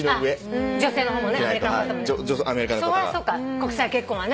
国際結婚はね。